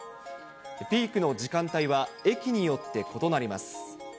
ピークの時間帯は駅によって異なります。